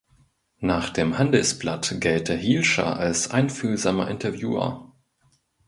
Nach dem "Handelsblatt" gelte Hielscher als „einfühlsamer Interviewer“.